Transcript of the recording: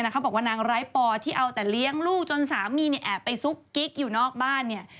บอกว่านางไร้ปอที่เอาแต่เลี้ยงลูกจนสามีแอบไปซุกกิ๊กอยู่นอกบ้านเนี่ย